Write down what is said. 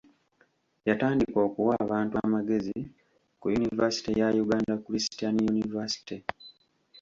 Yatandika okuwa abantu amagezi ku yunivasite ya Uganda Christian University.